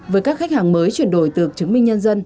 với các khách hàng mới chuyển đổi từ chứng minh nhân dân